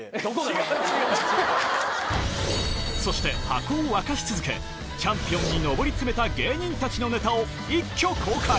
そして、ハコを沸かし続け、チャンピオンに上り詰めた芸人たちのネタを一挙公開。